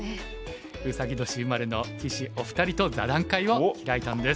ウサギ年生まれの棋士お二人と座談会を開いたんです。